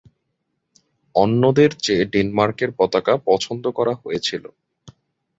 অন্যদের চেয়ে ডেনমার্কের পতাকা পছন্দ করা হয়েছিল।